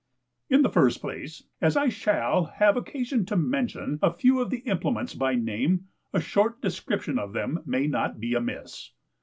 In the first place, as I shall have occasion to mention a few of the implements by name, a short description of them may not be amiss.